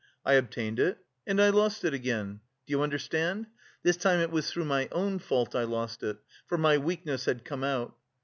I obtained it and I lost it again. Do you understand? This time it was through my own fault I lost it: for my weakness had come out....